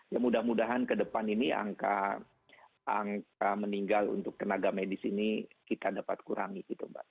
ya mudah mudahan ke depan ini angka meninggal untuk tenaga medis ini kita dapat kurangi gitu mbak